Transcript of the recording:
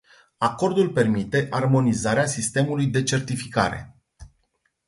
Acordul permite armonizarea sistemului de certificare.